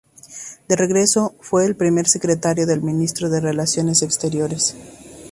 De regreso fue primer secretario del Ministerio de Relaciones Exteriores.